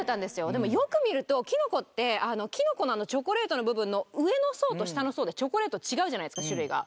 でもよく見るときのこってきのこのチョコレートの部分の上の層と下の層でチョコレート違うじゃないですか種類が。